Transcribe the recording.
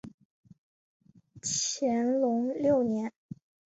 乾隆六年。